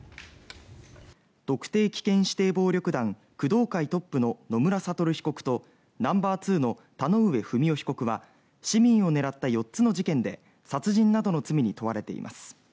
特定危険指定暴力団工藤会トップの野村悟被告とナンバーツーの田上不美夫被告は市民を狙った４つの事件で殺人などの罪に問われています。